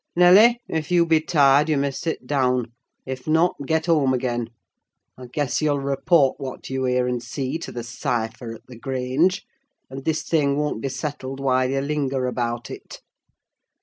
Nelly, if you be tired you may sit down; if not, get home again. I guess you'll report what you hear and see to the cipher at the Grange; and this thing won't be settled while you linger about it."